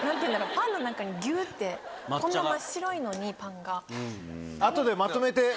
パンの中にぎゅってこんな真っ白いのにパンが。